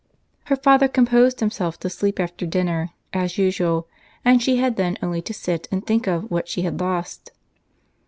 Her father composed himself to sleep after dinner, as usual, and she had then only to sit and think of what she had lost.